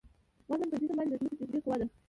وزن پر جسم باندې د ځمکې د جاذبې قوه ده.